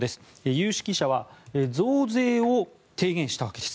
有識者は増税を提言したわけです。